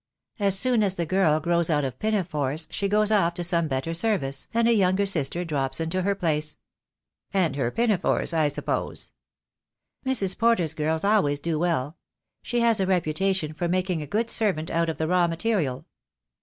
As soon as the girl grows out of pinafores she goes off to some better service, and a younger sister drops into her place." "And her pinafores, I suppose." "Mrs. Porter's girls always do well. She has a re putation for making a good servant out of the raw material."